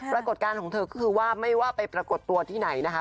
รับกฎการของเธอคือว่าไม่ว่าไปประกดตัวที่ไหนนะคะ